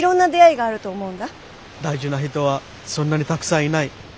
大事な人はそんなにたくさんいない。